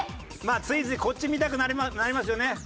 まあついついこっち見たくなりますよね。